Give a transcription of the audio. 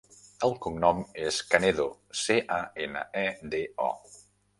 El cognom és Canedo: ce, a, ena, e, de, o.